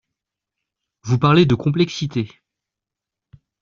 Vous parlez de complexité.